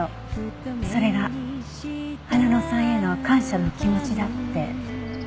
それが花野さんへの感謝の気持ちだって。